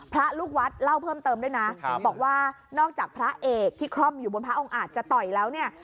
พระลูกวัดเล่าเพิ่มเติมด้วยนะบอกว่านอกจากพระเอกที่คล่อมอยู่บนพระองค์อาจจะต่อยแล้วเนี่ย